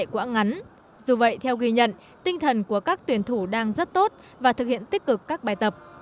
quãng ngắn dù vậy theo ghi nhận tinh thần của các tuyển thủ đang rất tốt và thực hiện tích cực các bài tập